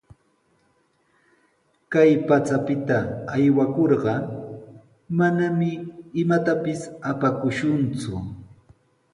Kay pachapita aywakurqa, manami imatapis apakushunku.